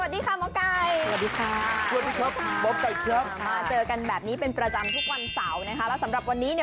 ทุกวันเสาร์นะคะและสำหรับวันนี้เนี้ย